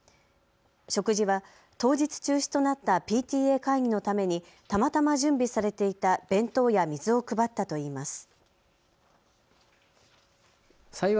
食事は当日中止となったＰＴＡ会議のためにたまたま準備されていた弁当や水を配ったといいます。